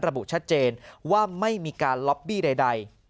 ระบุชัดเจนว่าไม่มีการล็อบบี้ใด